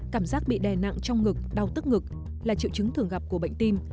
cảm giác bị đè nặng trong ngực đau tức ngực là triệu chứng thường gặp của bệnh tim